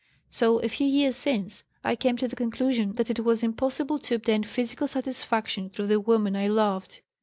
So a few years since, I came to the conclusion that it was impossible to obtain physical satisfaction through the woman I loved.